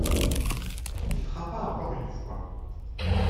Il frappa encore une fois.